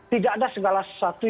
tidak ada segala sesuatu